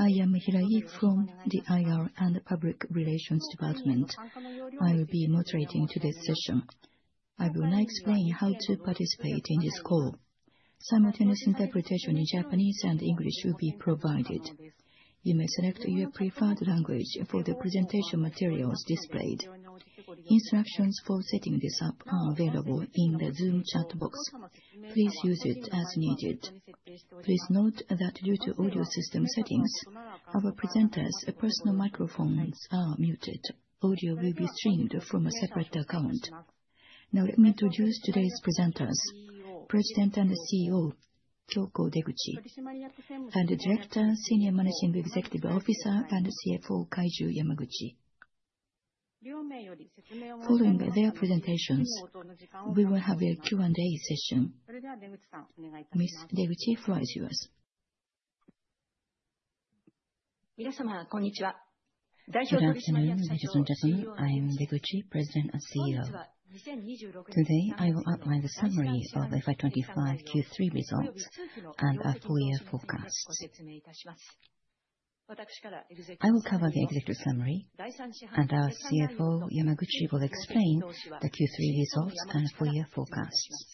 I am Hirai from the IR and Public Relations Department. I will be moderating today's session. I will now explain how to participate in this call. Simultaneous interpretation in Japanese and English will be provided. You may select your preferred language for the presentation materials displayed. Instructions for setting this up are available in the Zoom chat box. Please use it as needed. Please note that due to audio system settings, our presenters' personal microphones are muted. Audio will be streamed from a separate account. Now, let me introduce today's presenters, President and CEO, Kyoko Deguchi, and Director, Senior Managing Executive Officer, and CFO, Kouji Yamaguchi. Following their presentations, we will have a Q&A session. Ms. Deguchi, the floor is yours. Good afternoon, ladies and gentlemen. I am Deguchi, President and CEO. Today, I will outline the summary of the FY 2025 Q3 results and our full-year forecast. I will cover the executive summary, and our CFO, Yamaguchi, will explain the Q3 results and full-year forecast.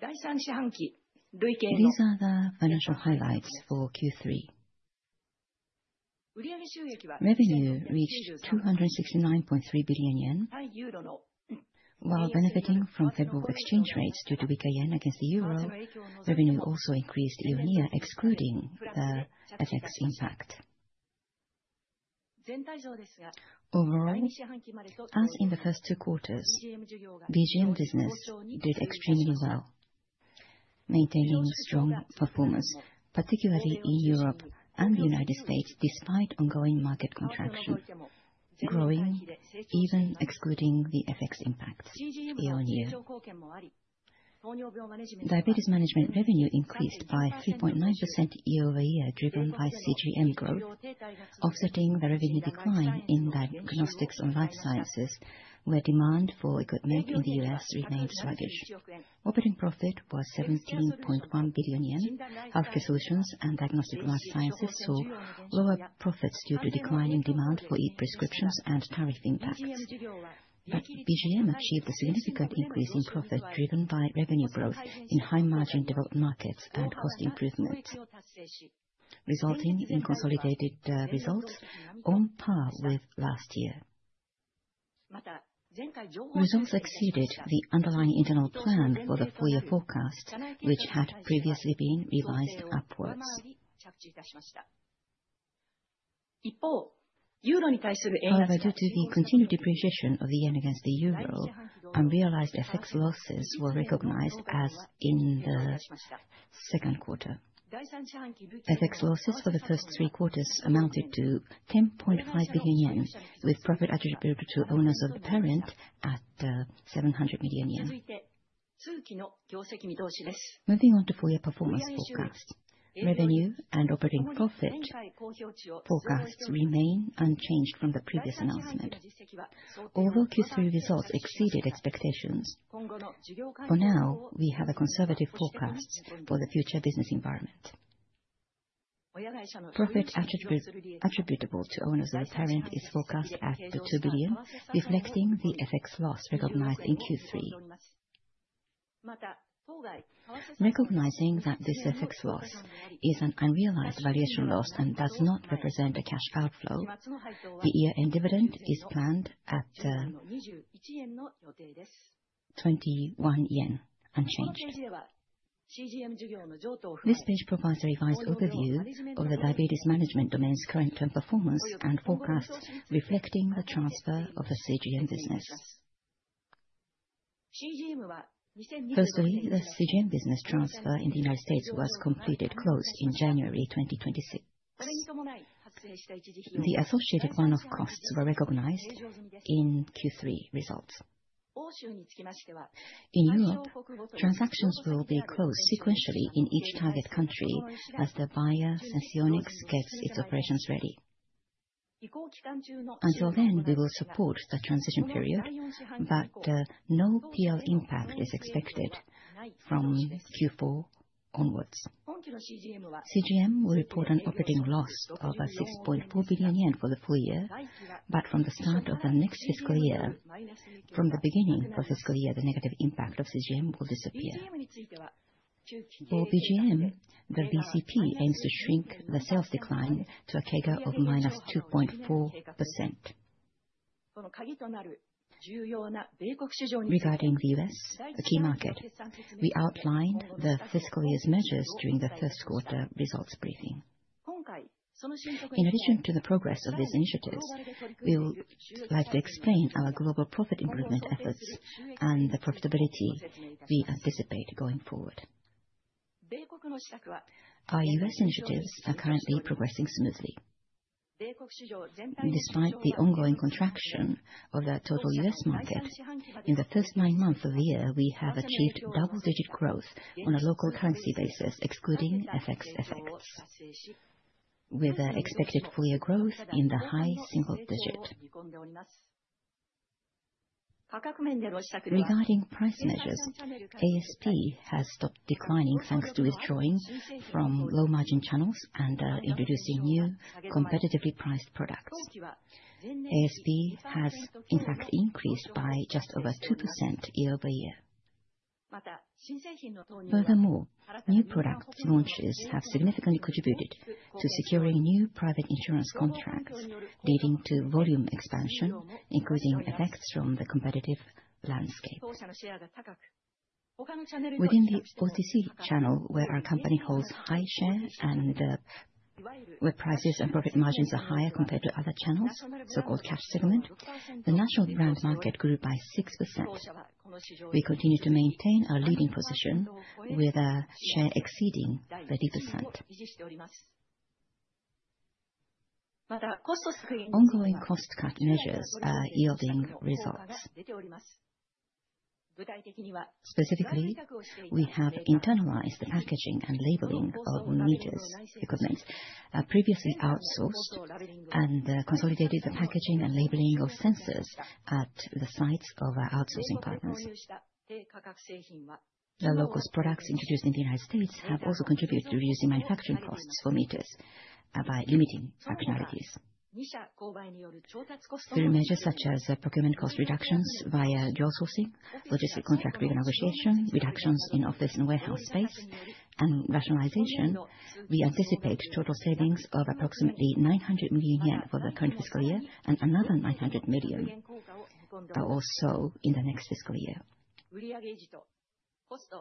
These are the financial highlights for Q3. Revenue reached 269.3 billion yen. While benefiting from favorable exchange rates due to weaker yen against the euro, revenue also increased year-on-year, excluding the FX impact. Overall, as in the first two quarters, BGM business did extremely well, maintaining strong performance, particularly in Europe and the United States, despite ongoing market contraction, growing, even excluding the FX year-on-year. Diabetes management revenue increased by 3.9% year-over-year, driven by CGM growth, offsetting the revenue decline in diagnostics and life sciences, where demand for equipment in the U.S. remained sluggish. Operating profit was 17.1 billion yen. Healthcare solutions and diagnostic life sciences saw lower profits due to declining demand for e-prescriptions and tariff impacts. But BGM achieved a significant increase in profit driven by revenue growth in high-margin developed markets and cost improvement, resulting in consolidated results on par with last year. Results exceeded the underlying internal plan for the full-year forecast, which had previously been revised upwards. However, due to the continued depreciation of the yen against the euro, unrealized FX losses were recognized as in the second quarter. FX losses for the first three quarters amounted to 10.5 billion yen, with profit attributable to owners of the parent at 700 million yen. Moving on to full-year performance forecast. Revenue and operating profit forecasts remain unchanged from the previous announcement, although Q3 results exceeded expectations. For now, we have a conservative forecast for the future business environment. Profit attributable to owners of the parent is forecast at 2 trillion, reflecting the FX loss recognized in Q3. Recognizing that this FX loss is an unrealized valuation loss and does not represent a cash outflow, the year-end dividend is planned at 21 yen, unchanged. This page provides a revised overview of the diabetes management domain's current term performance and forecasts reflecting the transfer of the CGM business. Firstly, the CGM business transfer in the United States was completed in January 2026. The associated one-off costs were recognized in Q3 results. In Europe, transactions will be closed sequentially in each target country as the buyer, Senseonics, gets its operations ready. Until then, we will support the transition period, but no P&L impact is expected from Q4 onwards. CGM will report an operating loss of 6.4 billion yen for the full-year, but from the start of the next fiscal year, from the beginning of the fiscal year, the negative impact of CGM will disappear. For BGM, the VCP aims to shrink the sales decline to a CAGR of -2.4%. Regarding the U.S., a key market, we outlined the fiscal year's measures during the first quarter results briefing. In addition to the progress of these initiatives, we would like to explain our global profit improvement efforts and the profitability we anticipate going forward. Our U.S. initiatives are currently progressing smoothly. Despite the ongoing contraction of the total U.S. market, in the first nine months of the year, we have achieved double-digit growth on a local currency basis, excluding FX effects, with an expected full-year growth in the high single-digit. Regarding price measures, ASP has stopped declining thanks to withdrawing from low-margin channels and introducing new competitively priced products. ASP has, in fact, increased by just over 2% year-over-year. Furthermore, new product launches have significantly contributed to securing new private insurance contracts, leading to volume expansion, increasing effects from the competitive landscape. Within the OTC channel, where our company holds high share and where prices and profit margins are higher compared to other channels, so-called cash segment, the national brand market grew by 6%. We continue to maintain our leading position with a share exceeding 30%. Ongoing cost cut measures are yielding results. Specifically, we have internalized the packaging and labeling of our meters equipment, previously outsourced, and consolidated the packaging and labeling of sensors at the sites of our outsourcing partners. The low-cost products introduced in the United States have also contributed to reducing manufacturing costs for meters by limiting functionalities. Through measures such as procurement cost reductions via outsourcing, logistic contract renegotiation, reductions in office and warehouse space, and rationalization, we anticipate total savings of approximately 900 million yen for the current fiscal year and another 900 million or so in the next fiscal year.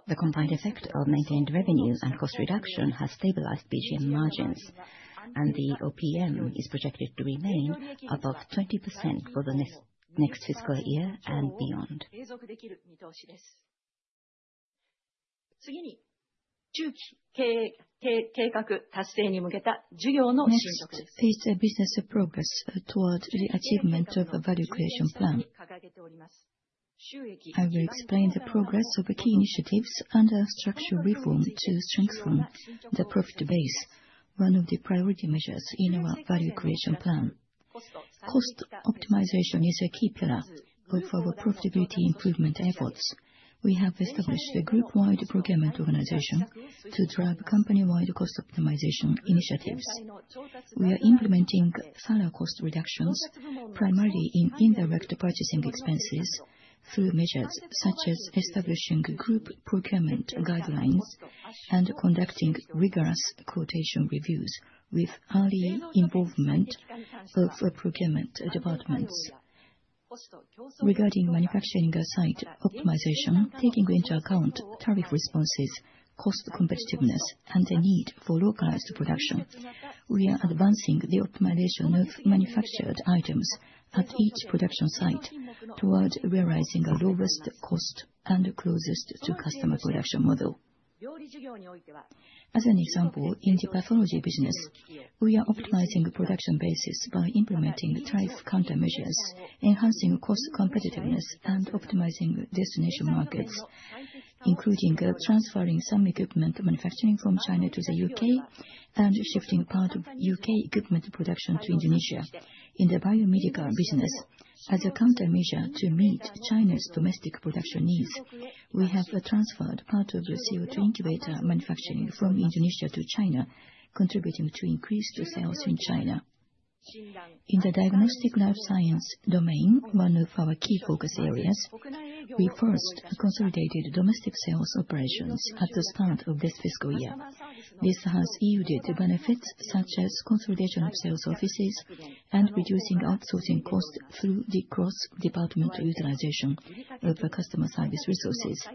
The combined effect of maintained revenue and cost reduction has stabilized BGM margins, and the OPM is projected to remain above 20% for the next fiscal year and beyond. Next, please. The business progress towards the achievement of a Value Creation Plan. I will explain the progress of the key initiatives under structural reform to strengthen the profit base, one of the priority measures in our Value Creation Plan. Cost optimization is a key pillar of our profitability improvement efforts. We have established a group-wide procurement organization to drive company-wide cost optimization initiatives. We are implementing further cost reductions, primarily in indirect purchasing expenses, through measures such as establishing group procurement guidelines and conducting rigorous quotation reviews with early involvement of procurement departments. Regarding manufacturing site optimization, taking into account tariff responses, cost competitiveness, and the need for localized production, we are advancing the optimization of manufactured items at each production site towards realizing our lowest cost and closest to customer production model. As an example, in the pathology business, we are optimizing production bases by implementing thrice countermeasures, enhancing cost competitiveness, and optimizing destination markets, including transferring some equipment manufacturing from China to the U.K. and shifting part of U.K. equipment production to Indonesia. In the biomedical business, as a countermeasure to meet China's domestic production needs, we have transferred part of the CO2 incubator manufacturing from Indonesia to China, contributing to increased sales in China. In the diagnostic life science domain, one of our key focus areas, we first consolidated domestic sales operations at the start of this fiscal year. This has yielded benefits such as consolidation of sales offices and reducing outsourcing costs through the cross-departmental utilization of the customer service resources.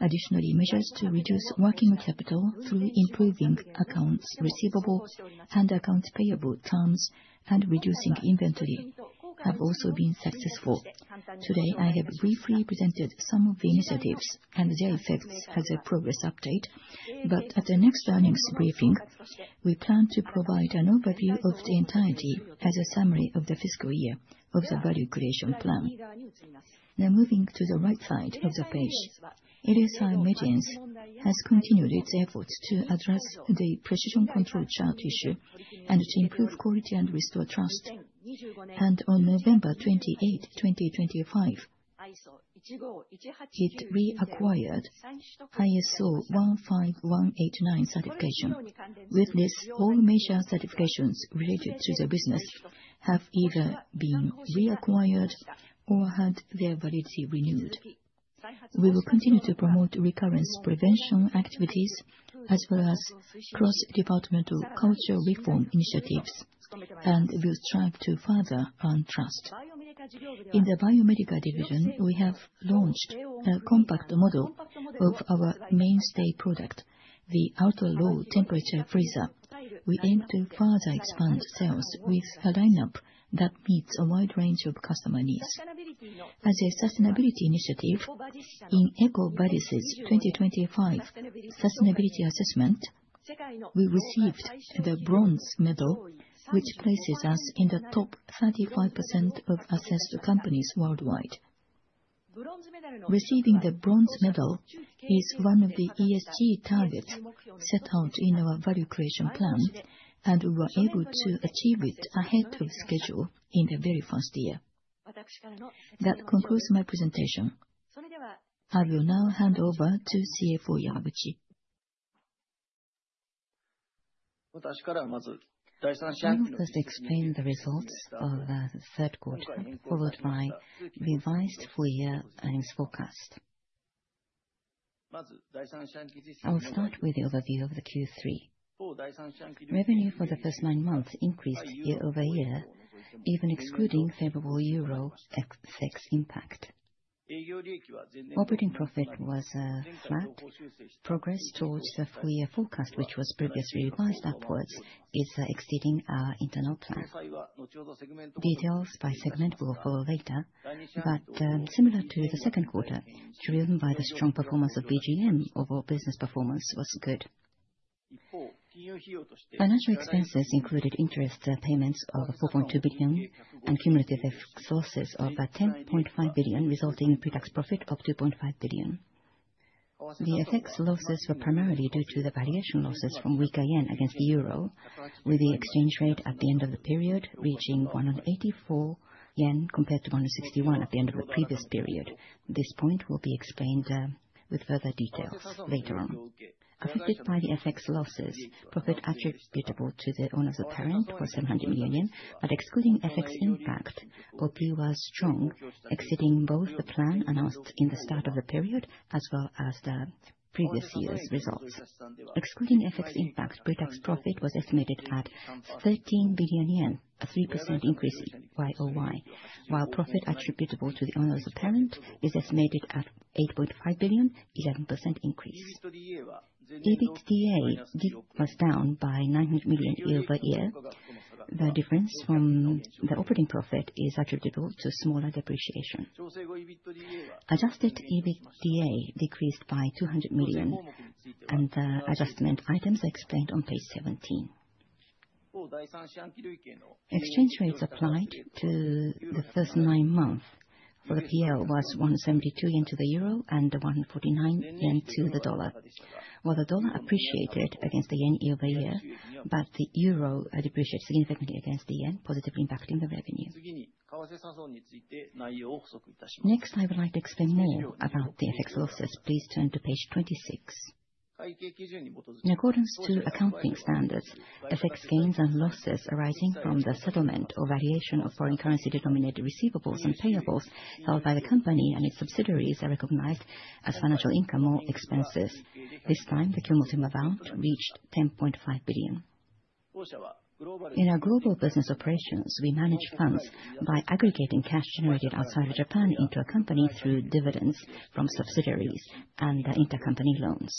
Additionally, measures to reduce working capital through improving accounts receivable and accounts payable terms and reducing inventory have also been successful. Today, I have briefly presented some of the initiatives and their effects as a progress update, but at the next earnings briefing, we plan to provide an overview of the entirety as a summary of the fiscal year of the Value Creation Plan. Now, moving to the right side of the page, LSI Mediance has continued its efforts to address the precision control chart issue and to improve quality and restore trust. On November 28, 2025, it reacquired ISO 15189 certification. With this, all major certifications related to the business have either been reacquired or had their validity renewed. We will continue to promote recurrence prevention activities, as well as cross-departmental culture reform initiatives, and will strive to further earn trust. In the biomedical division, we have launched a compact model of our mainstay product, the ultra-low temperature freezer. We aim to further expand sales with a lineup that meets a wide range of customer needs. As a sustainability initiative, in EcoVadis' 2025 sustainability assessment, we received the bronze medal, which places us in the top 35% of assessed companies worldwide. Receiving the bronze medal is one of the ESG targets set out in our Value Creation Plan, and we were able to achieve it ahead of schedule in the very first year. That concludes my presentation. I will now hand over to CFO Kouji Yamaguchi. I will first explain the results of the third quarter, followed by revised full-year earnings forecast. I will start with the overview of the Q3. Revenue for the first nine months increased year-over-year, even excluding favorable euro FX impact. Operating profit was flat. Progress towards the full-year forecast, which was previously revised upwards, is exceeding our internal plan. Details by segment will follow later, but similar to the second quarter, driven by the strong performance of BGM, overall business performance was good. Financial expenses included interest payments of 4.2 billion, and cumulative FX losses of 10.5 billion, resulting in pretax profit of 2.5 billion. The FX losses were primarily due to the valuation losses from weaker yen against the euro, with the exchange rate at the end of the period reaching 184 yen, compared to 161 at the end of the previous period. This point will be explained with further details later on. Affected by the FX losses, profit attributable to the owners of parent was 700 million, but excluding FX impact, OP was strong, exceeding both the plan announced in the start of the period as well as the previous year's results. Excluding FX impact, pretax profit was estimated at 13 billion yen, a 3% increase year-over-year. While profit attributable to the owners of parent is estimated at 8.5 billion, 11% increase. EBITDA was down by 900 million year-over-year. The difference from the operating profit is attributable to smaller depreciation. Adjusted EBITDA decreased by 200 million, and adjustment items are explained on page 17. Exchange rates applied to the first nine months for the P&L was 172 yen to the euro and 149 yen to the dollar, while the dollar appreciated against the yen year-over-year, but the euro depreciated significantly against the yen, positively impacting the revenue. Next, I would like to explain more about the FX losses. Please turn to page 26. In accordance to accounting standards, FX gains and losses arising from the settlement or variation of foreign currency-denominated receivables and payables held by the company and its subsidiaries are recognized as financial income or expenses. This time, the cumulative amount reached 10.5 billion. In our global business operations, we manage funds by aggregating cash generated outside of Japan into a company through dividends from subsidiaries and intercompany loans.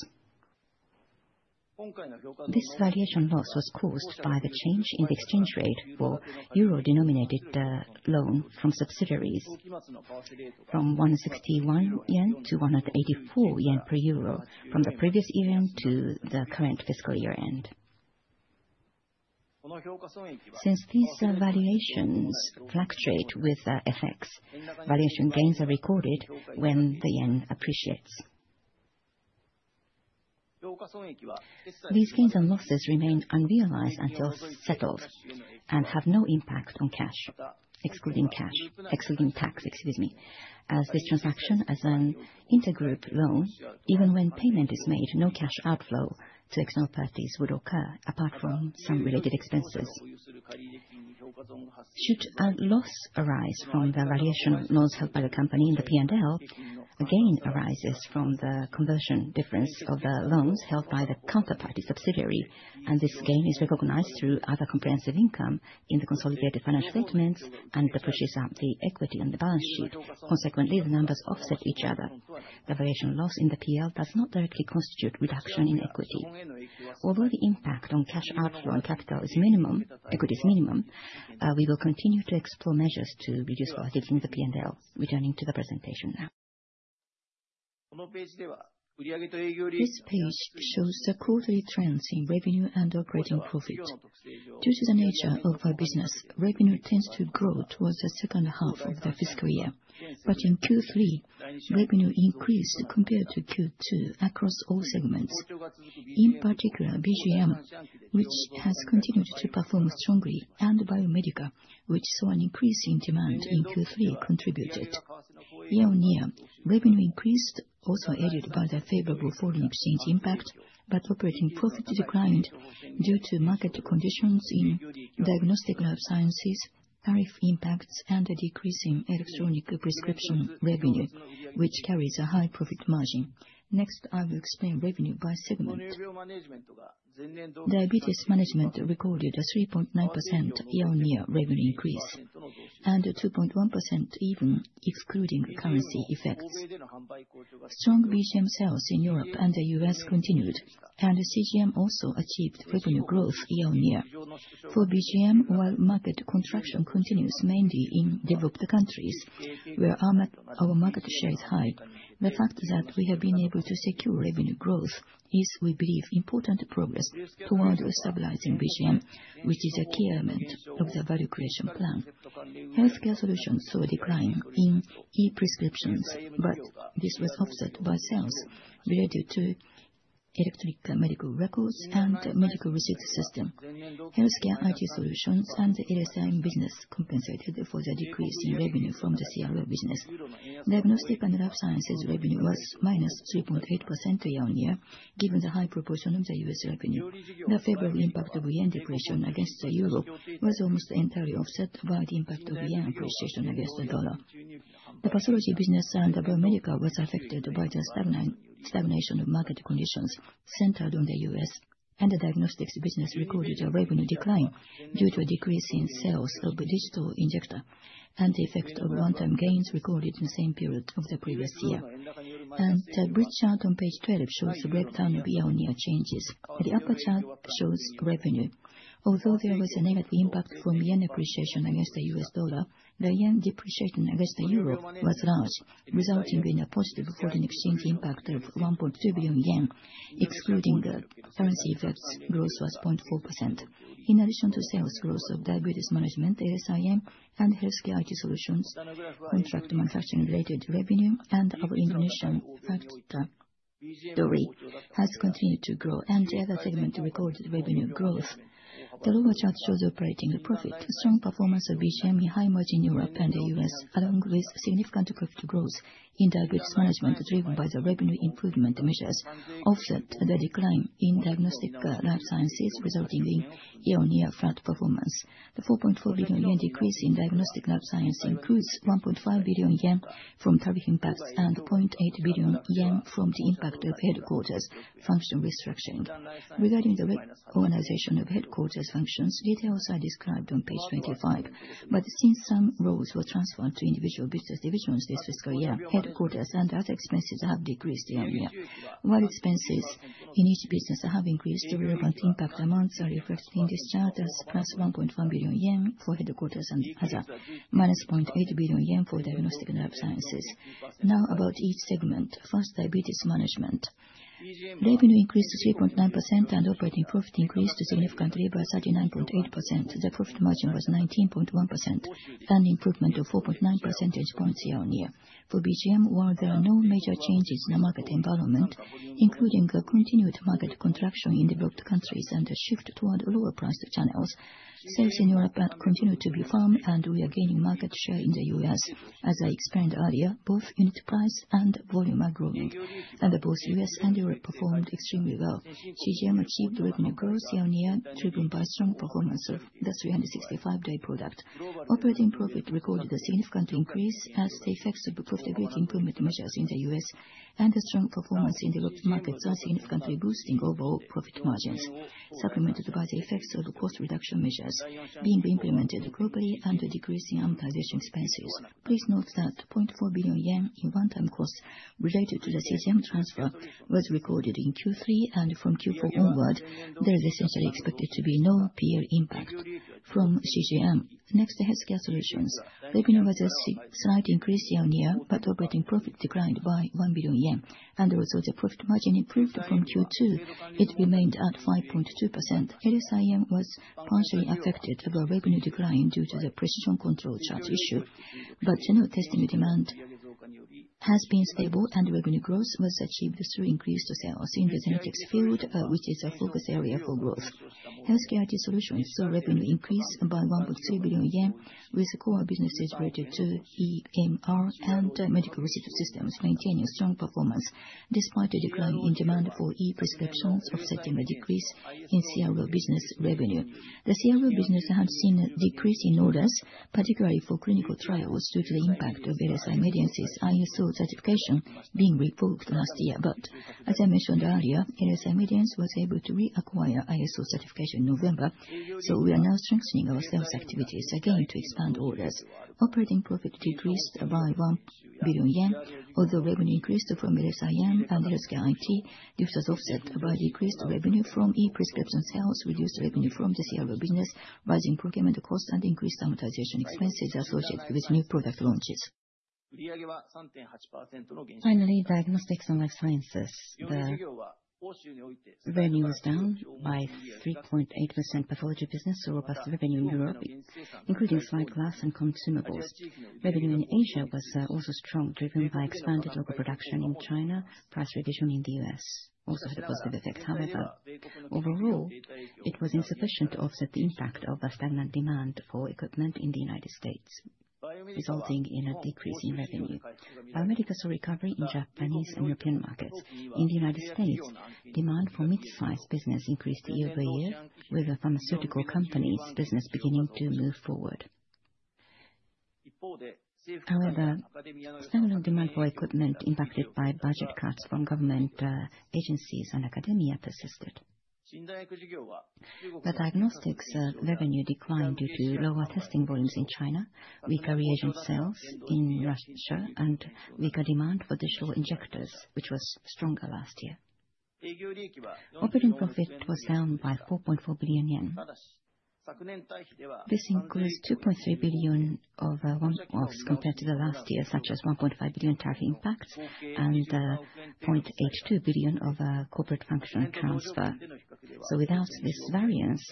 This valuation loss was caused by the change in the exchange rate for euro-denominated loan from subsidiaries, from 161 yen to 184 yen per euro from the previous year-end to the current fiscal year-end. Since these valuations fluctuate with FX, valuation gains are recorded when the yen appreciates. These gains and losses remain unrealized until settled and have no impact on cash—excluding cash. Excluding tax, excuse me. As this transaction is an intergroup loan, even when payment is made, no cash outflow to external parties would occur, apart from some related expenses. Should a loss arise from the valuation loss held by the company in the P&L, a gain arises from the conversion difference of the loans held by the counterparty subsidiary, and this gain is recognized through other comprehensive income in the consolidated financial statements and it pushes up the equity on the balance sheet. Consequently, the numbers offset each other. The valuation loss in the P&L does not directly constitute reduction in equity. Although the impact on cash outflow and capital is minimum, equity is minimum, we will continue to explore measures to reduce volatility in the P&L. Returning to the presentation now. This page shows the quarterly trends in revenue and operating profit. Due to the nature of our business, revenue tends to grow towards the second half of the fiscal year, but in Q3, revenue increased compared to Q2 across all segments. In particular, BGM, which has continued to perform strongly, and Biomedica, which saw an increase in demand in Q3, contributed. Year-on-year, revenue increased, also aided by the favorable foreign exchange impact, but operating profit declined due to market conditions in diagnostic lab sciences, tariff impacts, and a decrease in electronic prescription revenue, which carries a high profit margin. Next, I will explain revenue by segment. Diabetes Management recorded a 3.9% year-on-year revenue increase, and a 2.1%, even excluding currency effects. Strong BGM sales in Europe and the US continued, and CGM also achieved revenue growth year-on-year. For BGM, while market contraction continues, mainly in developed countries, where our market, our market share is high, the fact that we have been able to secure revenue growth is, we believe, important progress towards stabilizing BGM, which is a key element of the Value Creation Plan. Healthcare Solutions saw a decline in e-prescriptions, but this was offset by sales related to electronic medical records and medical research system. Healthcare IT solutions and the LSI business compensated for the decrease in revenue from the CRO business. Diagnostic and lab sciences revenue was -3.8% year-on-year, given the high proportion of the U.S. revenue. The favorable impact of yen depreciation against the euro was almost entirely offset by the impact of yen appreciation against the dollar. The pathology business and biomedical were affected by the stagnation of market conditions centered on the U.S., and the diagnostics business recorded a revenue decline due to a decrease in sales of the digital injector and the effect of one-time gains recorded in the same period of the previous year. The bridge chart on page 12 shows the breakdown of year-on-year changes. The upper chart shows revenue. Although there was a negative impact from yen appreciation against the U.S. dollar, the yen depreciation against the euro was large, resulting in a positive foreign exchange impact of 1.2 billion yen. Excluding the currency effects, growth was 0.4%. In addition to sales growth of diabetes management, LSIM, and healthcare IT solutions, contract manufacturing-related revenue, and our Indonesian factory, Dori, has continued to grow, and every segment recorded revenue growth. The lower chart shows operating profit. Strong performance of BGM in high-margin Europe and the U.S., along with significant profit growth in diabetes management, driven by the revenue improvement measures, offset the decline in diagnostics, life sciences, resulting in year-on-year flat performance. The 4.4 billion yen decrease in diagnostics lab science includes 1.5 billion yen from tariff impacts and 0.8 billion yen from the impact of headquarters function restructuring. Regarding the reorganization of headquarters functions, details are described on page 25. But since some roles were transferred to individual business divisions this fiscal year, headquarters and other expenses have decreased year-on-year. While expenses in each business have increased, the relevant impact amounts are reflected in this chart as +1.1 billion yen for headquarters and other, -0.8 billion yen for diagnostics lab sciences. Now, about each segment. First, diabetes management. Revenue increased to 3.9%, and operating profit increased significantly by 39.8%. The profit margin was 19.1%, an improvement of 4.9 percentage points year-on-year. For BGM, while there are no major changes in the market environment, including a continued market contraction in developed countries and a shift toward lower-priced channels, sales in Europe have continued to be firm, and we are gaining market share in the U.S. As I explained earlier, both unit price and volume are growing, and both U.S. and Europe performed extremely well. CGM achieved revenue growth year-on-year, driven by strong performance of the 365-day product. Operating profit recorded a significant increase as the effects of profitability improvement measures in the U.S. and the strong performance in developed markets are significantly boosting overall profit margins, supplemented by the effects of the cost reduction measures being implemented globally and a decrease in amortization expenses. Please note that 0.4 billion yen in one-time costs related to the CGM transfer was recorded in Q3, and from Q4 onward, there is essentially expected to be no peer impact from CGM. Next, healthcare solutions. Revenue was a slight increase year-on-year, but operating profit declined by 1 billion yen, and although the profit margin improved from Q2, it remained at 5.2%. Mediance was partially affected by revenue decline due to the precision control chart issue, but general testing demand has been stable, and revenue growth was achieved through increased sales in the genetics field, which is a focus area for growth. Healthcare IT solutions saw revenue increase by 1.3 billion yen, with core businesses related to EMR and medical receipt systems maintaining strong performance, despite a decline in demand for e-prescriptions offsetting a decrease in CRO business revenue. The CRO business has seen a decrease in orders, particularly for clinical trials, due to the impact of LSI Mediance's ISO certification being revoked last year. But as I mentioned earlier, LSI Mediance was able to reacquire ISO certification in November, so we are now strengthening our sales activities again to expand orders. Operating profit decreased by 1 billion yen. Although revenue increased from LSI Mediance and Healthcare IT, this was offset by decreased revenue from e-prescription sales, reduced revenue from the CRO business, rising procurement costs, and increased amortization expenses associated with new product launches. Finally, diagnostics and life sciences. The revenue was down by 3.8%. Pathology business saw revenue in Europe, including slide glass and consumables. Revenue in Asia was also strong, driven by expanded local production in China. Price reduction in the U.S. also had a positive effect. However, overall, it was insufficient to offset the impact of the stagnant demand for equipment in the United States, resulting in a decrease in revenue. Biomedica saw recovery in Japanese and European markets. In the United States, demand for mid-sized business increased year-over-year, with the pharmaceutical company's business beginning to move forward. However, subdued demand for equipment impacted by budget cuts from government agencies and academia persisted. The diagnostics revenue declined due to lower testing volumes in China, weaker reagent sales in Russia, and weaker demand for digital injectors, which was stronger last year. Operating profit was down by 4.4 billion yen. This includes 2.3 billion of one-offs compared to the last year, such as 1.5 billion tariff impact and 0.82 billion of corporate function transfer. So without this variance,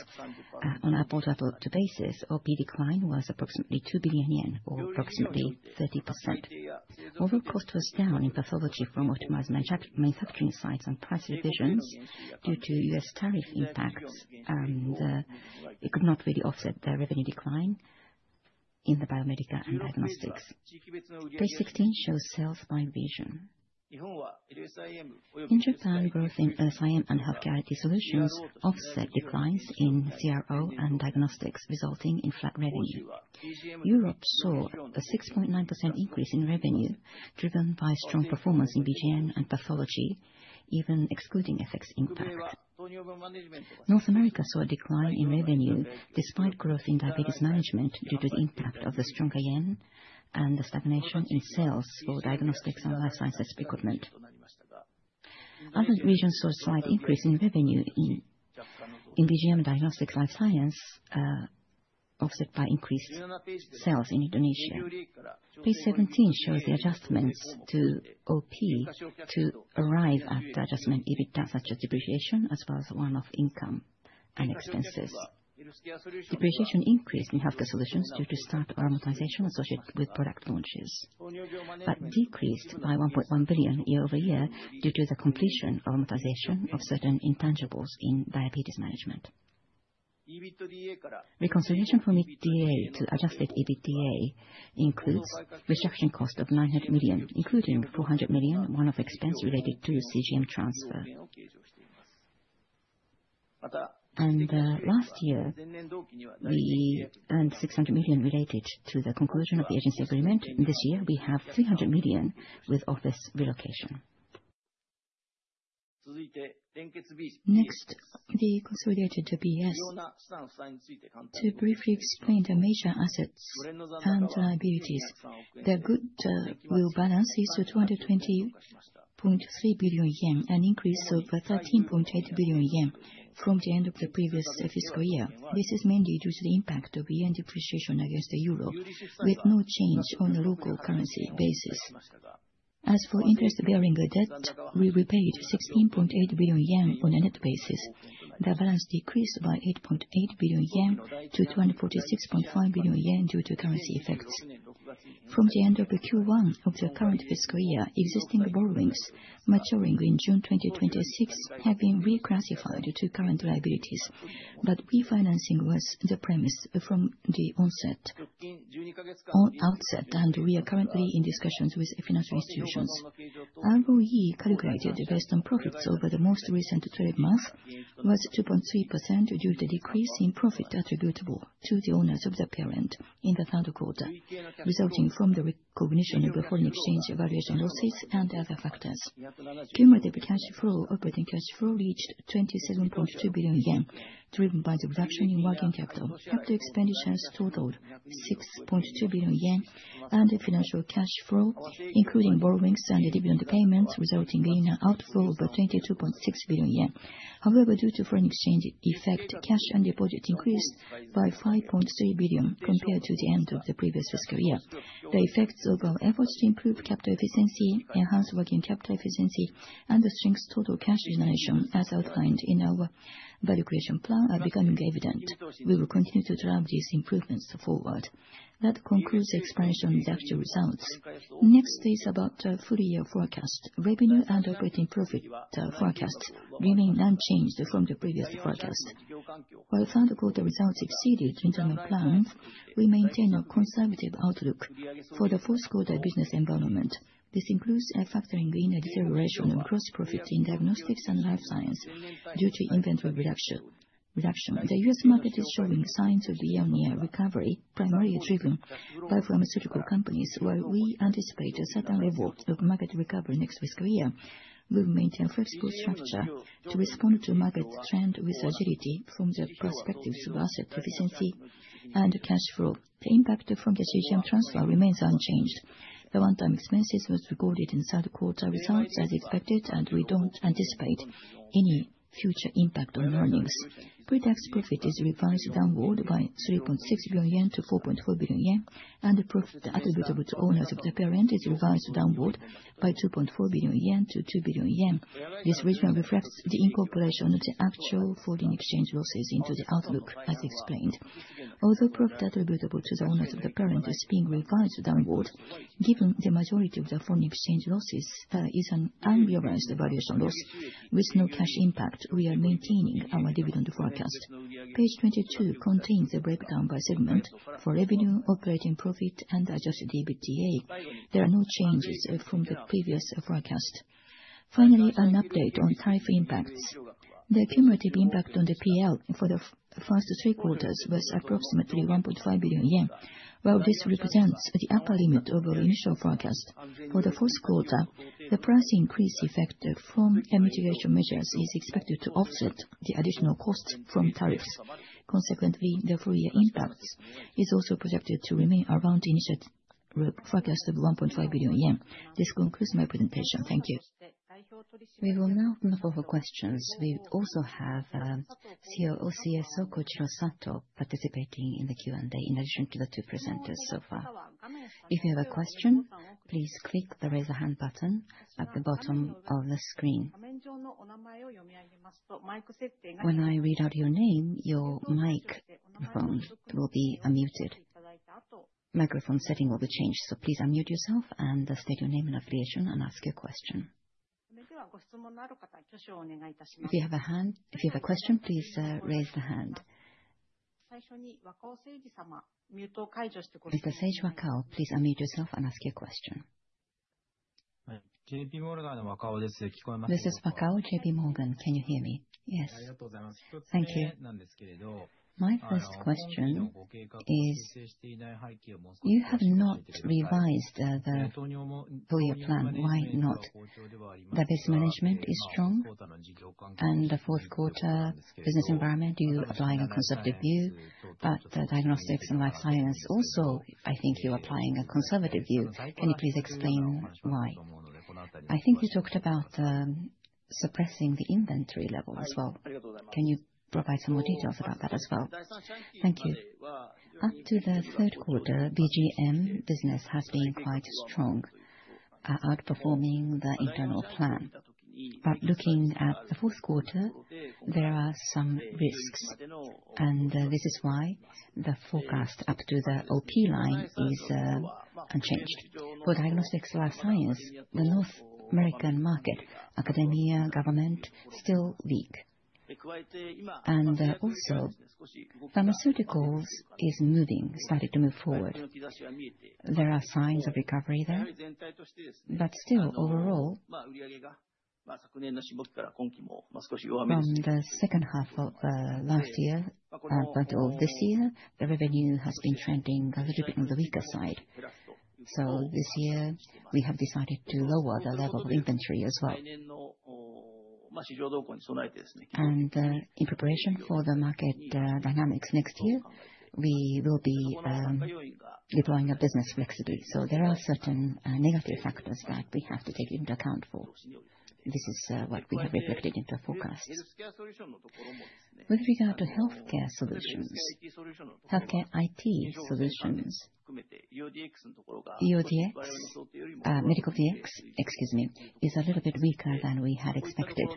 on a comparable basis, OP decline was approximately 2 billion yen or approximately 30%. Overall cost was down in pathology from optimized manufacturing sites and price revisions due to U.S. tariff impacts, and it could not really offset the revenue decline in the biomedical and diagnostics. Page 16 shows sales by region. In Japan, growth in LSIM and healthcare IT solutions offset declines in CRO and diagnostics, resulting in flat revenue. Europe saw a 6.9% increase in revenue, driven by strong performance in BGM and pathology, even excluding FX impact. North America saw a decline in revenue despite growth in diabetes management, due to the impact of the strong yen and the stagnation in sales for diagnostics and life sciences equipment. Other regions saw a slight increase in revenue in BGM diagnostic life science, offset by increased sales in Indonesia. Page 17 shows the adjustments to OP to arrive at the adjusted EBITDA, such as depreciation, as well as one-off income and expenses. Depreciation increased in healthcare solutions due to start amortization associated with product launches, but decreased by 1.1 billion year-over-year due to the completion of amortization of certain intangibles in diabetes management. Reconciliation from EBITDA to adjusted EBITDA includes reduction cost of 900 million, including 400 million one-off expense related to CGM transfer. And last year, we earned 600 million related to the conclusion of the agency agreement. This year, we have 300 million with office relocation. Next, the consolidated BS. To briefly explain the major assets and liabilities, the goodwill balance is 220.3 billion yen, an increase of 13.8 billion yen from the end of the previous fiscal year. This is mainly due to the impact of yen depreciation against the euro, with no change on a local currency basis. As for interest-bearing debt, we repaid 16.8 billion yen on a net basis. The balance decreased by 8.8 billion yen to 246.5 billion yen due to currency effects. From the end of the Q1 of the current fiscal year, existing borrowings maturing in June 2026 have been reclassified to current liabilities, but refinancing was the premise from the onset or outset, and we are currently in discussions with financial institutions. ROE calculated based on profits over the most recent 12 months was 2.3%, due to decrease in profit attributable to the owners of the parent in the third quarter, resulting from the recognition of the foreign exchange evaluation losses and other factors. Cumulative cash flow, operating cash flow reached 27.2 billion yen, driven by the reduction in working capital. Capital expenditures totaled 6.2 billion yen, and the financial cash flow, including borrowings and dividend payments, resulting in an outflow of 22.6 billion yen. However, due to foreign exchange effect, cash and deposit increased by 5.3 billion compared to the end of the previous fiscal year. The effects of our efforts to improve capital efficiency, enhance working capital efficiency, and the strength total cash generation, as outlined in our Value Creation Plan, are becoming evident. We will continue to drive these improvements forward. That concludes the explanation of the actual results. Next is about full-year forecast. Revenue and operating profit forecast remain unchanged from the previous forecast. While third quarter results exceeded internal plans, we maintain a conservative outlook for the fourth quarter business environment. This includes factoring in a deterioration of gross profit in diagnostics and life science due to inventory reduction. The U.S. market is showing signs of year-on-year recovery, primarily driven by pharmaceutical companies. While we anticipate a certain level of market recovery next fiscal year, we will maintain flexible structure to respond to market trend with agility from the perspectives of asset efficiency and cash flow. The impact from the CGM transfer remains unchanged. The one-time expenses was recorded in third quarter results as expected, and we don't anticipate any future impact on earnings. Pre-tax profit is revised downward by 3.6 billion yen- 4.4 billion yen, and the profit attributable to owners of the parent is revised downward by 2.4 billion yen- 2 billion yen. This revision reflects the incorporation of the actual foreign exchange losses into the outlook, as explained. Although profit attributable to the owners of the parent is being revised downward, given the majority of the foreign exchange losses, is an unrealized valuation loss. With no cash impact, we are maintaining our dividend forecast. Page 22 contains a breakdown by segment for revenue, Operating Profit, and Adjusted EBITDA. There are no changes from the previous forecast. Finally, an update on tariff impacts. The cumulative impact on the PL for the first three quarters was approximately 1.5 billion yen, while this represents the upper limit of our initial forecast. For the fourth quarter, the price increase effect from mitigation measures is expected to offset the additional costs from tariffs. Consequently, the full-year impacts is also projected to remain around the initial forecast of 1.5 billion yen. This concludes my presentation. Thank you. We will now open up for questions. We also have, COO, CSO Koichiro Sato participating in the Q&A, in addition to the two presenters so far. If you have a question, please click the Raise a Hand button at the bottom of the screen. When I read out your name, your microphone will be unmuted. Microphone setting will be changed, so please unmute yourself and state your name and affiliation, and ask your question. If you have a hand, if you have a question, please, raise the hand. Mr. Seiji Wakao, please unmute yourself and ask your question. This is Wakao, JPMorgan. Can you hear me? Yes. Thank you. My first question is, you have not revised the full-year plan. Why not? Diabetes management is strong, and the fourth quarter business environment, you applying a conservative view, but the diagnostics and life science also, I think you're applying a conservative view. Can you please explain why? I think you talked about suppressing the inventory level as well. Can you provide some more details about that as well? Thank you. Up to the third quarter, BGM business has been quite strong, outperforming the internal plan. But looking at the fourth quarter, there are some risks, and this is why the forecast up to the OP line is unchanged. For diagnostics life science, the North American market, academia, government, still weak. And also, pharmaceuticals is moving, starting to move forward. There are signs of recovery there, but still overall, from the second half of last year, part of this year, the revenue has been trending a little bit on the weaker side. So this year, we have decided to lower the level of inventory as well. And in preparation for the market dynamics next year, we will be deploying our business flexibility. So there are certain negative factors that we have to take into account for. This is what we have reflected into our forecasts. With regard to healthcare solutions, healthcare IT solutions, EODX, medical DX, excuse me, is a little bit weaker than we had expected.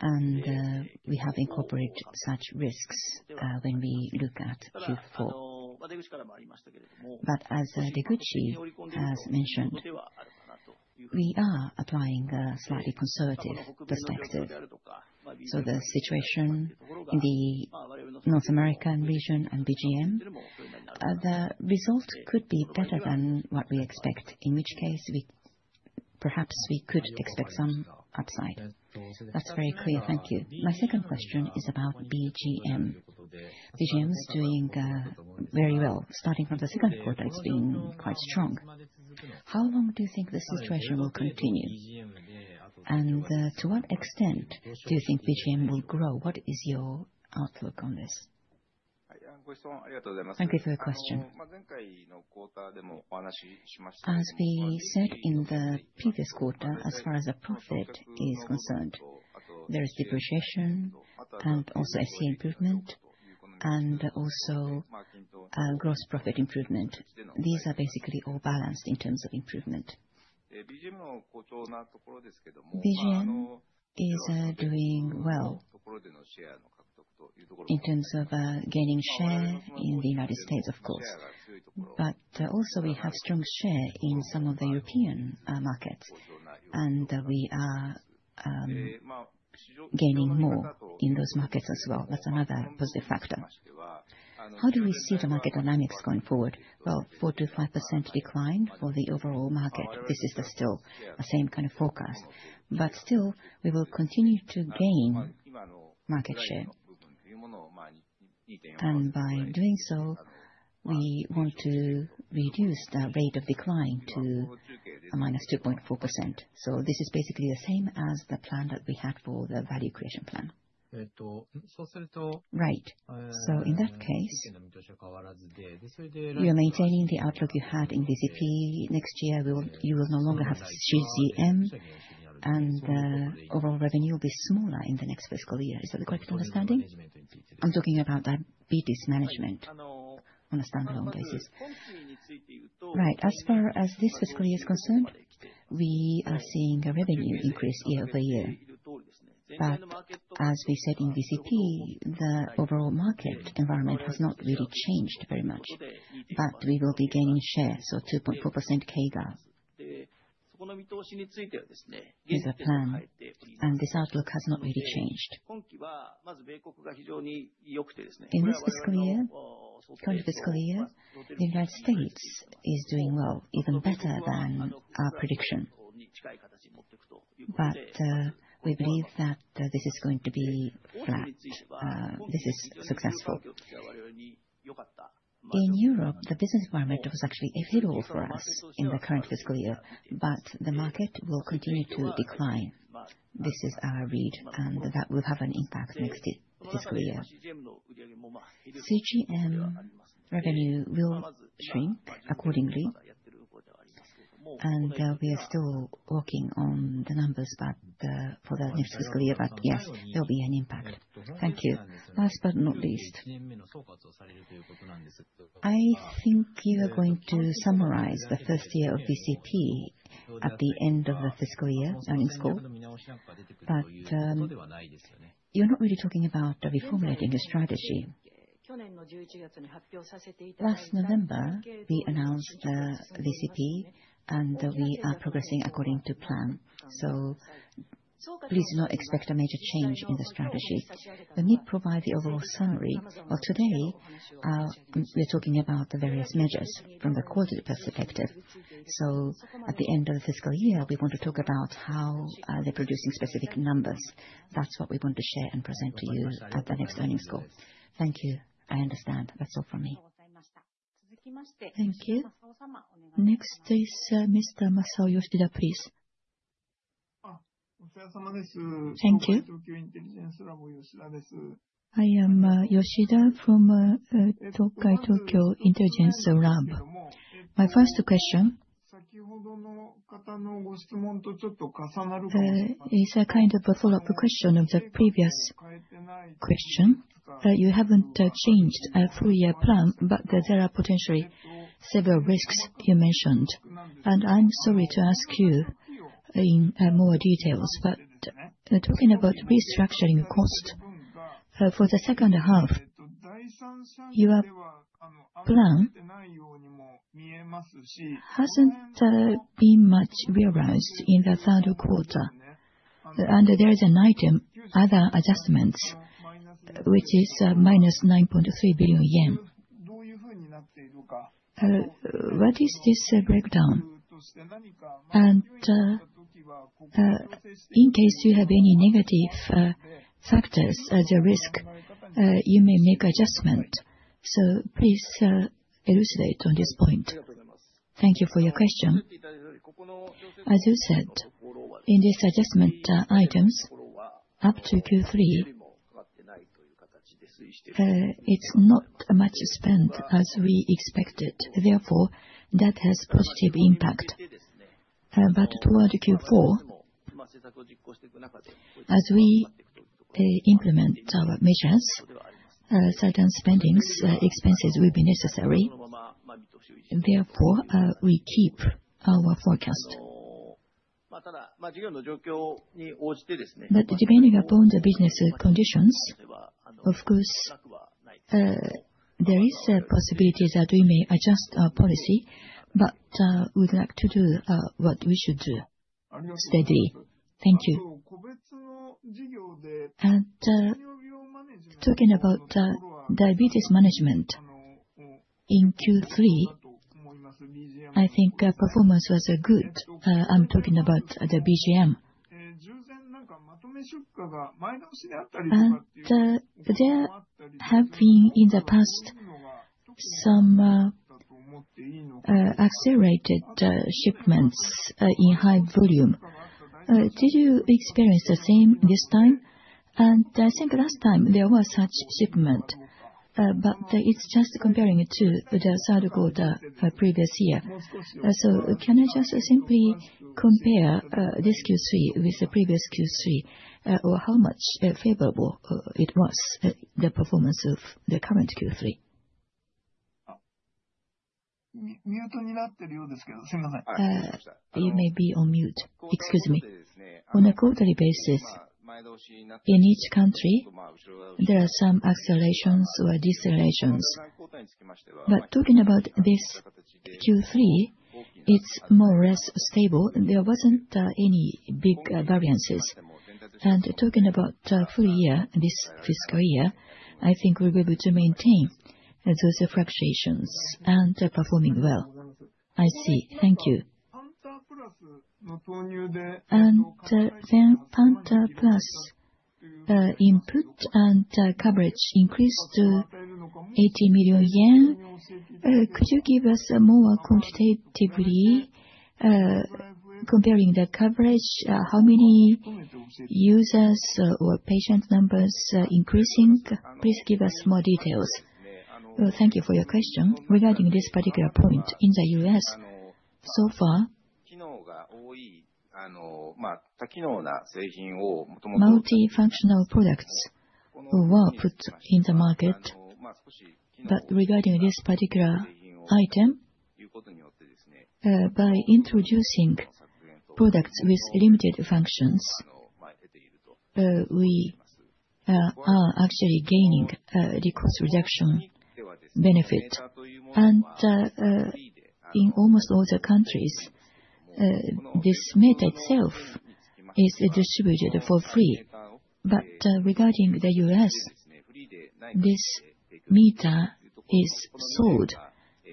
And we have incorporated such risks when we look at Q4. But as Deguchi has mentioned, we are applying a slightly conservative perspective. So the situation in the North American region and BGM, the result could be better than what we expect, in which case, we perhaps we could expect some upside. That's very clear. Thank you. My second question is about BGM. BGM is doing very well. Starting from the second quarter, it's been quite strong. How long do you think this situation will continue? And to what extent do you think BGM will grow? What is your outlook on this? Thank you for your question. As we said in the previous quarter, as far as the profit is concerned, there is depreciation and also IC improvement, and also, gross profit improvement. These are basically all balanced in terms of improvement. BGM is doing well in terms of gaining share in the United States, of course, but also we have strong share in some of the European markets, and we are gaining more in those markets as well. That's another positive factor. How do we see the market dynamics going forward? Well, 4%-5% decline for the overall market. This is still the same kind of forecast. But still, we will continue to gain market share. And by doing so, we want to reduce the rate of decline to a -2.4%. So this is basically the same as the plan that we had for the value creation plan. Right. So in that case, you're maintaining the outlook you had in VCP. Next year, we will—you will no longer have CGM, and overall revenue will be smaller in the next fiscal year. Is that the correct understanding? I'm talking about diabetes management on a standalone basis. Right. As far as this fiscal year is concerned, we are seeing a revenue increase year-over-year. But as we said in VCP, the overall market environment has not really changed very much, but we will be gaining share, so 2.4% CAGR is the plan, and this outlook has not really changed. In this fiscal year, current fiscal year, the United States is doing well, even better than our prediction. But we believe that this is going to be flat. This is successful. In Europe, the business environment was actually a hurdle for us in the current fiscal year, but the market will continue to decline. This is our read, and that will have an impact next fiscal year. CGM revenue will shrink accordingly, and we are still working on the numbers, but for the next fiscal year, but yes, there'll be an impact. Thank you. Last but not least, I think you are going to summarize the first year of VCP at the end of the fiscal year, I think so. But you're not really talking about reformulating the strategy. Last November, we announced VCP, and we are progressing according to plan. So please do not expect a major change in the strategy. Let me provide the overall summary. Well, today, we're talking about the various measures from the qualitative perspective. So at the end of the fiscal year, we want to talk about how they're producing specific numbers. That's what we want to share and present to you at the next earnings call. Thank you. I understand. That's all for me. Thank you. Next is Mr. Masao Yoshida, please. Thank you. I am Yoshida from Tokai Tokyo Intelligence Lab. My first question is a kind of a follow-up question of the previous question. You haven't changed a full-year plan, but there are potentially several risks you mentioned. And I'm sorry to ask you in more details, but talking about restructuring cost for the second half, your plan hasn't been much realized in the third quarter. There is an item, other adjustments, which is JPY -9.3 billion. What is this breakdown? In case you have any negative factors as a risk, you may make adjustment. So please elucidate on this point. Thank you for your question. As you said, in this adjustment items, up to Q3, it's not much spent as we expected, therefore, that has positive impact. But toward the Q4, as we implement our measures, certain spendings expenses will be necessary, and therefore, we keep our forecast. But depending upon the business conditions, of course, there is a possibility that we may adjust our policy, but we'd like to do what we should do. Steady. Thank you. Talking about diabetes management, in Q3, I think our performance was good. I'm talking about the BGM. There have been, in the past, some accelerated shipments in high volume. Did you experience the same this time? I think last time there was such shipment, but it's just comparing it to the third quarter, previous year. So can I just simply compare this Q3 with the previous Q3, or how much favorable it was, the performance of the current Q3? You may be on mute. Excuse me. On a quarterly basis, in each country, there are some accelerations or decelerations. But talking about this Q3, it's more or less stable, and there wasn't any big variances. And talking about full-year, this fiscal year, I think we'll be able to maintain those fluctuations and are performing well. I see. Thank you. And then CONTOUR PLUS input and coverage increased to 80 million yen. Could you give us more quantitatively comparing the coverage how many users or patient numbers are increasing? Please give us more details. Well, thank you for your question. Regarding this particular point, in the U.S., so far, multifunctional products were put in the market. But regarding this particular item, by introducing products with limited functions, we are actually gaining the cost reduction benefit. And in almost all the countries, this meter itself is distributed for free. But regarding the U.S., this meter is sold.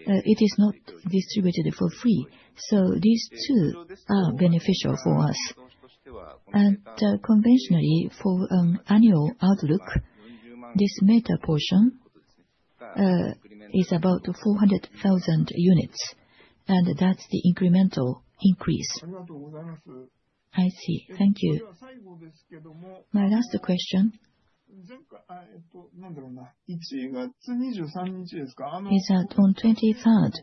It is not distributed for free. So these two are beneficial for us. Conventionally, for annual outlook, this meter portion is about 400,000 units, and that's the incremental increase. I see. Thank you. My last question is that on 23rd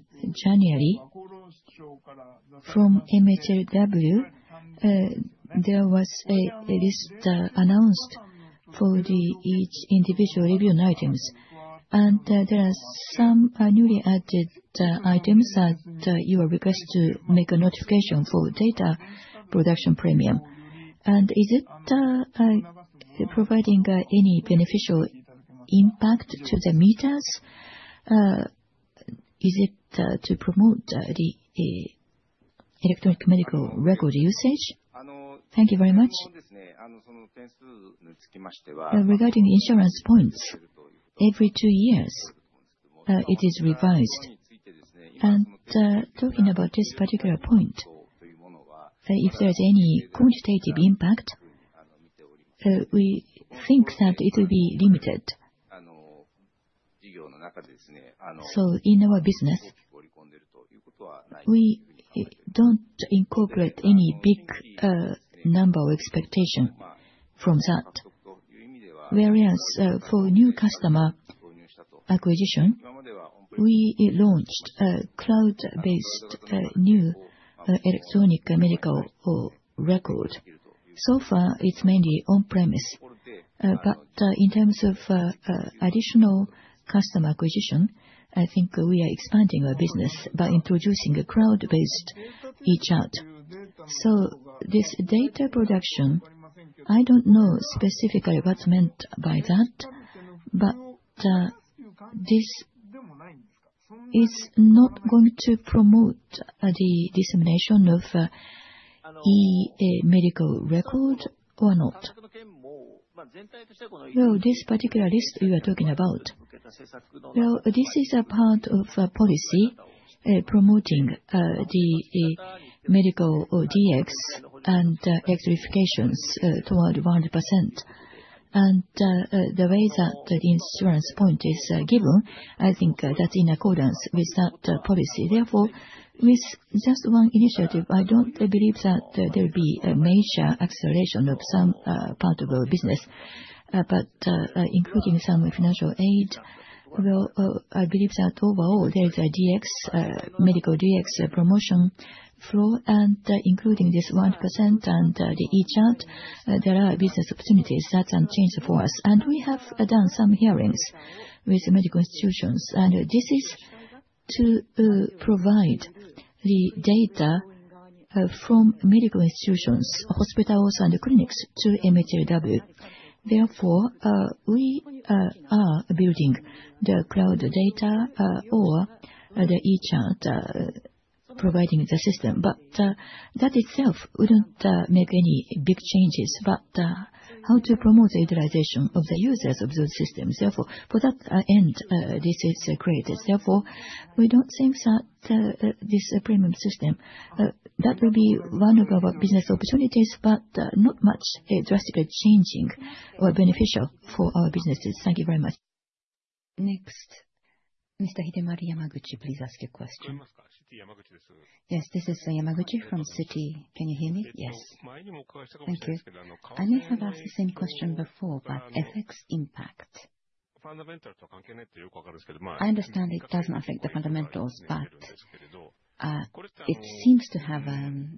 January, from MHLW, there was a list announced for each individual review items. And there are some newly added items that you were requested to make a notification for data production premium. And is it providing any beneficial impact to the meters? Is it to promote the Electronic Medical Record usage? Thank you very much. Regarding the insurance points, every two years it is revised. And talking about this particular point, if there is any quantitative impact, we think that it will be limited. So in our business, we don't incorporate any big number or expectation from that. Whereas for new customer acquisition, we launched a cloud-based new electronic medical record. So far, it's mainly on-premise. But in terms of additional customer acquisition, I think we are expanding our business by introducing a cloud-based e-chart. So this data production, I don't know specifically what's meant by that, but this is not going to promote the dissemination of e medical record or not. Well, this particular list you are talking about, well, this is a part of a policy promoting the Medical DX and digitalization toward 100%. The way that the insurance point is given, I think that's in accordance with that policy. Therefore, with just one initiative, I don't believe that there will be a major acceleration of some part of our business. But, including some financial aid, well, I believe that overall, there is a DX, medical DX promotion flow, and including this 1% and, the e-chart, there are business opportunities that can change for us. And we have done some hearings with medical institutions, and this is to provide the data from medical institutions, hospitals, and clinics to MHLW. Therefore, we are building the cloud data, or the e-chart, providing the system. But, that itself wouldn't make any big changes, but, how to promote the utilization of the users of those systems, therefore, for that end, this is created. Therefore, we don't think that this premium system that will be one of our business opportunities, but not much drastically changing or beneficial for our businesses. Thank you very much. Next, Mr. Hidemaru Yamaguchi, please ask your question. Yes, this is Yamaguchi from Citi. Can you hear me? Yes. Thank you. I may have asked the same question before, but FX impact. I understand it does not affect the fundamentals, but it seems to have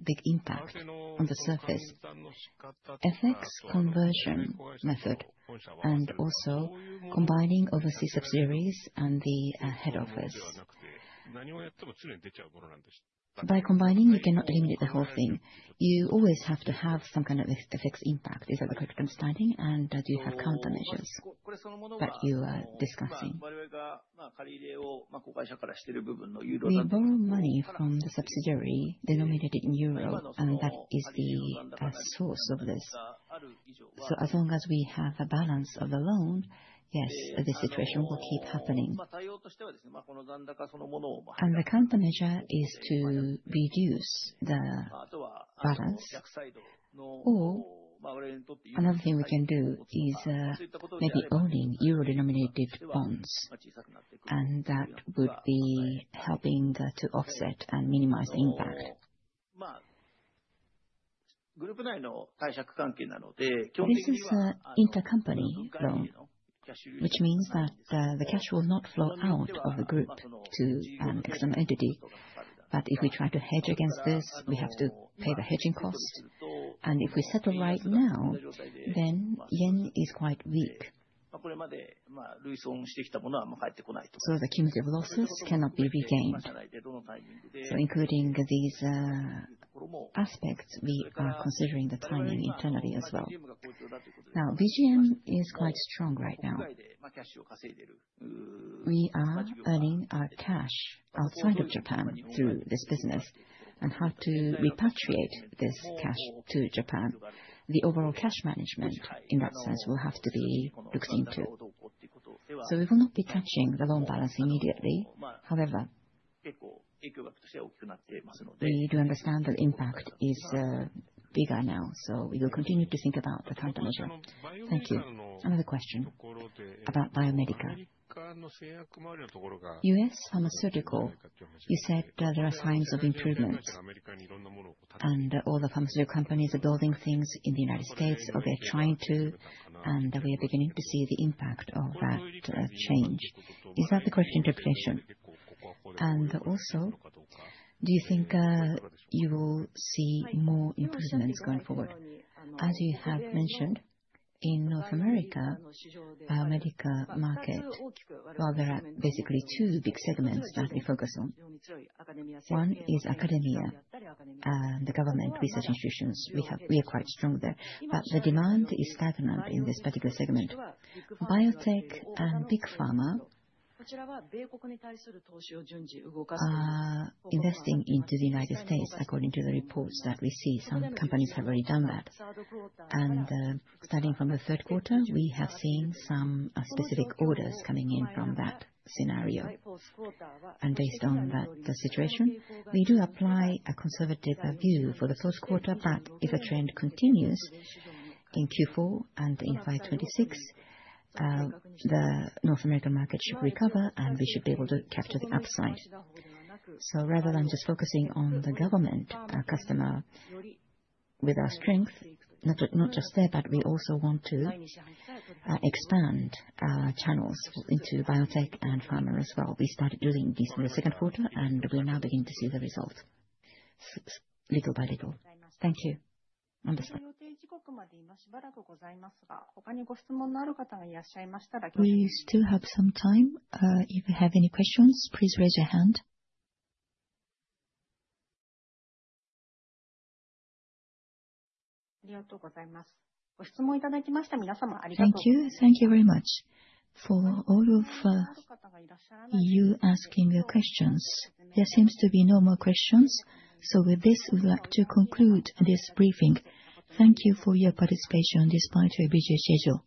big impact on the surface. FX conversion method, and also combining overseas subsidiaries and the head office. By combining, you cannot eliminate the whole thing. You always have to have some kind of FX impact. Is that the correct understanding? And that you have countermeasures that you are discussing. We borrow money from the subsidiary denominated in Euro, and that is the source of this. So as long as we have a balance of the loan, yes, this situation will keep happening. And the countermeasure is to reduce the balance, or another thing we can do is, maybe owning euro-denominated bonds, and that would be helping to offset and minimize the impact. This is an intercompany loan, which means that, the cash will not flow out of the group to an external entity. But if we try to hedge against this, we have to pay the hedging costs, and if we settle right now, then yen is quite weak. So the cumulative losses cannot be regained. So including these, aspects, we are considering the timing internally as well. Now, BGM is quite strong right now. We are earning our cash outside of Japan through this business, and have to repatriate this cash to Japan. The overall cash management, in that sense, will have to be looked into. So we will not be touching the loan balance immediately. However, we need to understand the impact is bigger now, so we will continue to think about the countermeasure. Thank you. Another question about biomedical. U.S. pharmaceutical, you said, there are signs of improvements, and all the pharmaceutical companies are building things in the United States, or they're trying to, and we are beginning to see the impact of that change. Is that the correct interpretation? And also, do you think you will see more improvements going forward? As you have mentioned, in North America, biomedical market, well, there are basically two big segments that we focus on. One is academia, and the government research institutions. We are quite strong there. But the demand is stagnant in this particular segment. Biotech and big pharma are investing into the United States. According to the reports that we see, some companies have already done that. Starting from the third quarter, we have seen some specific orders coming in from that scenario. Based on that, the situation, we do apply a conservative view for the first quarter, but if a trend continues in Q4 and in 2026, the North American market should recover, and we should be able to capture the upside. So rather than just focusing on the government, our customer, with our strength, not just, not just there, but we also want to expand our channels into biotech and pharma as well. We started doing this in the second quarter, and we are now beginning to see the results little by little. Thank you. Understood. We still have some time. If you have any questions, please raise your hand. Thank you. Thank you very much for all of you asking your questions. There seems to be no more questions, so with this, we'd like to conclude this briefing. Thank you for your participation despite your busy schedule.